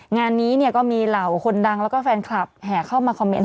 งานนี้เนี่ยก็มีเหล่าคนดังแล้วก็แฟนคลับแห่เข้ามาคอมเมนต